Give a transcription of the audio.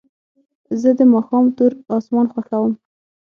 زه د ماښام تور اسمان خوښوم.